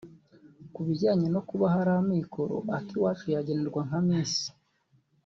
Kubijyanye no kuba hari amikoro Akiwacu yagenerwa nka Miss